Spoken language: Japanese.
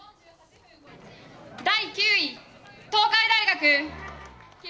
第９位、東海大学。